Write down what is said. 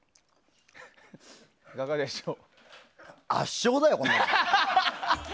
圧勝だよ、こんなの！